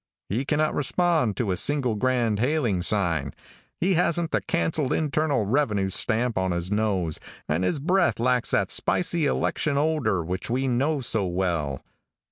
He cannot respond to a single grand hailing sign. He hasn't the cancelled internal revenue stamp on his nose, and his breath lacks that spicy election odor which we know so well.